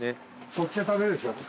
そっちで食べるでしょ？